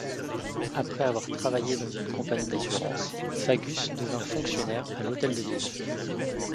Après avoir travaillé dans une compagnie d'assurances, Fagus devint fonctionnaire à l’Hôtel-de-ville.